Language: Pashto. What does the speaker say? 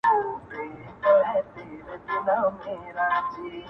• خدايه په دې شریر بازار کي رڼایي چیري ده.